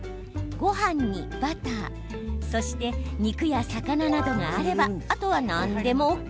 ごはんにバターそして肉や魚などあればあとは何でもＯＫ。